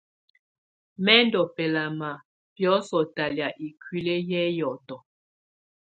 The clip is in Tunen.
Mɛ ndù bɛlama biɔsɔ talɛ̀á ikuili yɛ hiɔtɔ.